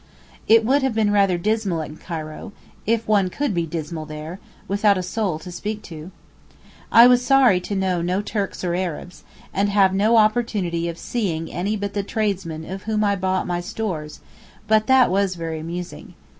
It would have been rather dismal in Cairo—if one could be dismal there—without a soul to speak to. I was sorry to know no Turks or Arabs, and have no opportunity of seeing any but the tradesman of whom I bought my stores but that was very amusing.